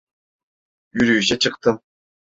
Yürüyüşe çıktım.